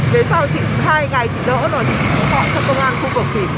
vì sao hai ngày chị đỡ rồi thì chị cũng gọi cho công an khu vực